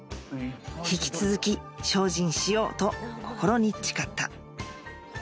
引き続き精進しようと心に誓った